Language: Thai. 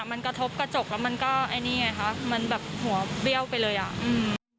มันกระทบกระจกแล้วมันก็ไอ้นี่ไงคะมันแบบหัวเบี้ยวไปเลยอ่ะอืม